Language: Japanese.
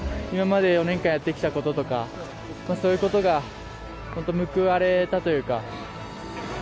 今まで４年間やってきたこととか、そういうことが本当、報われたというか。